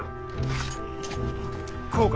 こうか？